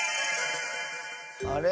あれ？